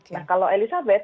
nah kalau elisabeth